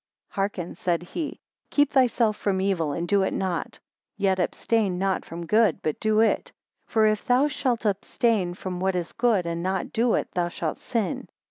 Hearken, said he, Keep thyself from evil, and do it not; yet abstain not from good, but do it. For if thou shalt abstain from what is good, and not do it, thou shalt sin.